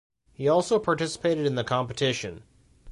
He also participated in the competition.